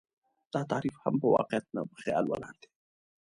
دا تعريف هم په واقعيت نه، په خيال ولاړ دى